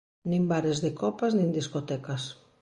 Nin bares de copas nin discotecas.